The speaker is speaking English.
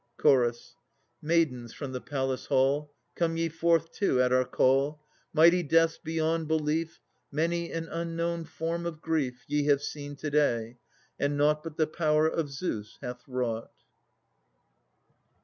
CH. Maidens from the palace hall, Come ye forth, too, at our call! Mighty deaths beyond belief, Many an unknown form of grief, Ye have seen to day; and nought But the power of Zeus hath wrought.